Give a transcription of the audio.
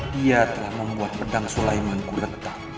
dia telah membuat pedang sulaiman ku retak